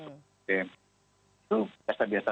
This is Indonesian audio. pt itu biasa biasa